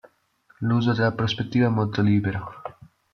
L'uso della prospettiva è molto libero.